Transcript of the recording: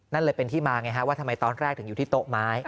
นั่นเลยเป็นที่มาไงฮะว่าทำไมตอนแรกถึงอยู่ที่โต๊ะไม้